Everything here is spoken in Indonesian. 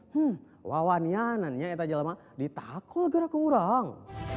hmm wawannya nanya ditakul gara gara keurang